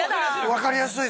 分かりやすい！